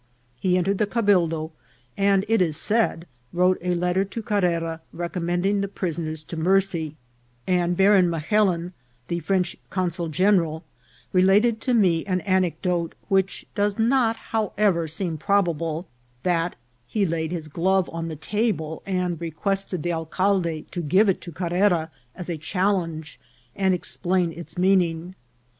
He entered the cabildo, and, it is said, wrote a letter to Carrera recommending the prisoners to mercy ; and Baron Mahelin, the French consul general, related to me an anecdote, which does not, however, seem probable, that he laid his glove on the table, and requested the alcalde to give it to Carrera as a challenge, and explain its meaning.